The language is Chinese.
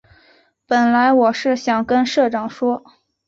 本来我是想跟社长说